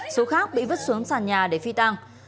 số khác bị vứt xuống sàn nhà để phi tăng